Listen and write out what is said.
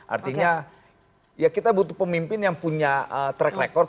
artinya ya kita butuh pemimpin yang punya track record